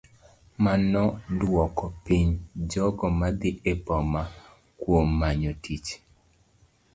Mano duoko piny jogo madhi e boma kuom manyo tich.